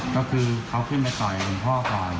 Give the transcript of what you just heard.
ก็คือเขาขึ้นไปต่อยหลวงพ่อก่อน